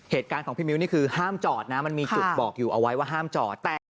เหตุการณ์ของพี่มิ้วนี่คือห้ามจอดนะมันมีจุดบอกอยู่เอาไว้ว่าห้ามจอดแต่